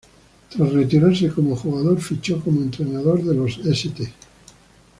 Tras retirarse como jugador, fichó como entrenador de los St.